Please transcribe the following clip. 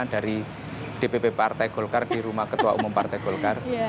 dari dpp partai golkar di rumah ketua umum partai golkar